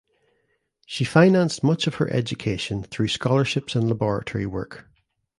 She financed much of her education through scholarships and laboratory work.